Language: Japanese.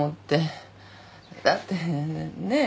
だってねえ？